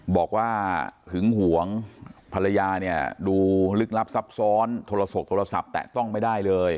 บอกว่าหึงหวงภรรยาเนี่ยดูลึกลับซับซ้อนโทรศกโทรศัพท์แตะต้องไม่ได้เลย